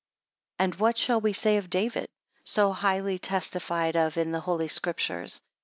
24 And what shall we say of David, so highly testified of in the Holy Scriptures?